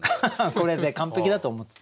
これで完璧だと思ってた。